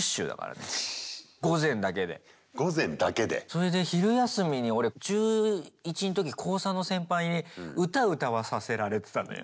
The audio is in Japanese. それで昼休みに俺中１んとき高３の先輩に歌歌わさせられてたのよ。